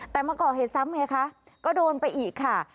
แต่มาก่อเหตุซ้ำไงคะก็โดนไปอีกค่ะ